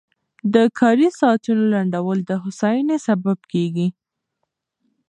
د کاري ساعتونو لنډول د هوساینې سبب کېږي.